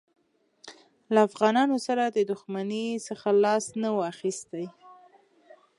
له افغانانو سره د دښمنۍ څخه لاس نه وو اخیستی.